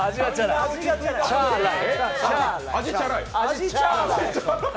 味チャーライ。